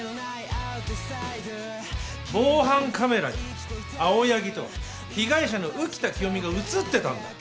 防犯カメラに青柳と被害者の浮田清美が写ってたんだ